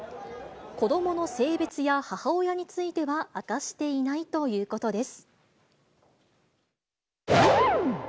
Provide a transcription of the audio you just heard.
子どもの性別や母親については、明かしていないということです。